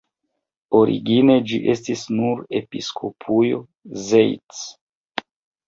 Origine ĝi estis nur episkopujo Zeitz.